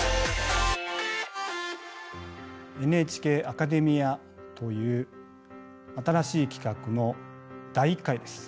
「ＮＨＫアカデミア」という新しい企画の第１回です。